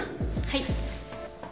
はい